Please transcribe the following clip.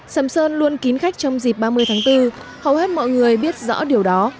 sầm sơn luôn kín khách trong dịp ba mươi tháng bốn hầu hết mọi người biết rõ điều đó